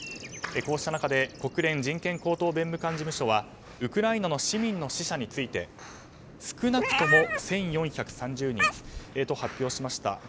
こうした中で国連人権高等弁務官事務所はウクライナの市民の死者について少なくとも１４３０人と発表しました。